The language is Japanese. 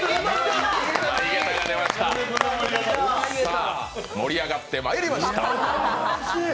さあ、盛り上がってまいりました。